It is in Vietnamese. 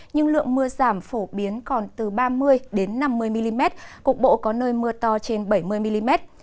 nhưng lượng mưa giảm phổ biến còn từ ba mươi năm mươi mm cục bộ có nơi mưa to trên bảy mươi mm